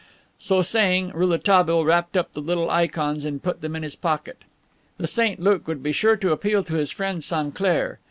So saying Rouletabille wrapped up the two little ikons and put them in his pocket. The Saint Luke would be sure to appeal to his friend Sainclair.